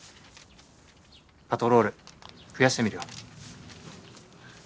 パトロール増やしてみるよ。